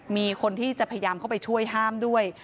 มีคนที่จะพยายามเข้าไปช่วยห้ามด้วย